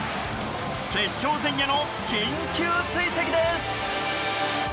決勝前夜の緊急追跡です。